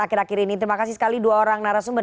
akhir akhir ini terima kasih sekali dua orang narasumber